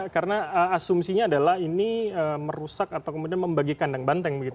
karena asumsinya adalah ini merusak atau kemudian membagi kandang banteng begitu